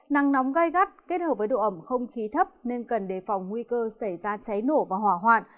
nắng nóng gai gắt kết hợp với độ ẩm không khí thấp nên cần đề phòng nguy cơ xảy ra cháy nổ và hỏa hoạn